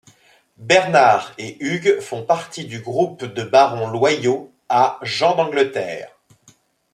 Bernard et Hugues font partie du groupe de barons loyaux à Jean d'Angleterre.